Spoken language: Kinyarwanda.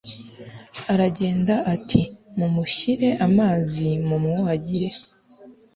aragenda ati 'mumushyire amazi mumwuhagire